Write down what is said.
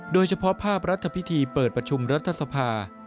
โดยเฉพาะภาพรัฐพิธีเปิดประชุมรัฐสภา